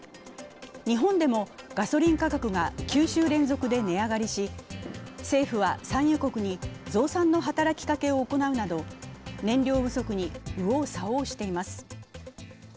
日本でもガソリン価格が９週連続で値上がりし政府は産油国に増産の働きかけを行うなど燃料不足に右往左往しています。